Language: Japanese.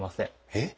えっ？